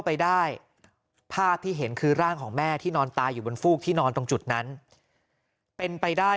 ไปได้ภาพที่เห็นคือร่างของแม่ที่นอนตายอยู่บนฟูกที่นอนตรงจุดนั้นเป็นไปได้